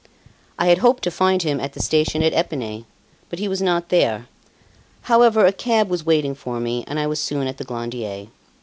I had hoped to find him at the station at Epinay; but he was not there. However, a cab was waiting for me and I was soon at the Glandier.